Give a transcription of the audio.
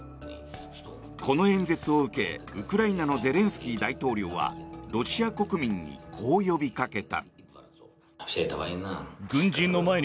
この演説を受け、ウクライナのゼレンスキー大統領はロシア国民にこう呼びかけた。